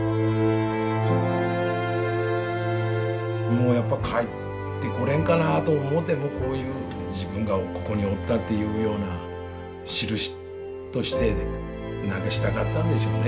もうやっぱ帰ってこれんかなと思ってもうこういう自分がここにおったというようなしるしとして何かしたかったんでしょうね